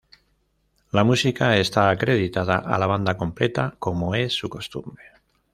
La música está acreditada a la banda completa, como es su costumbre.